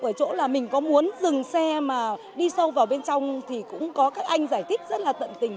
ở chỗ là mình có muốn dừng xe mà đi sâu vào bên trong thì cũng có các anh giải thích rất là tận tình